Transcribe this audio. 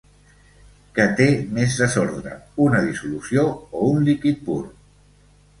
Què té més desordre una dissolució o un líquid pur?